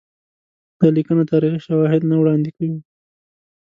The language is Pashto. دا لیکنه تاریخي شواهد نه وړاندي کوي.